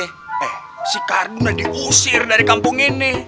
eh si kardu udah diusir dari kampung ini